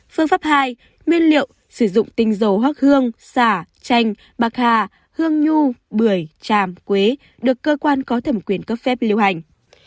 phương pháp hai nguyên liệu sử dụng tinh dầu hoác hương xà chanh bạc hà hương nhu bưởi chàm quế được cơ quan có thẩm quyền cấp phép liêu hành